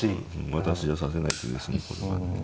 私じゃ指せない手ですねこれは。